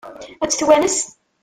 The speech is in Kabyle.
Ad tt-twanes?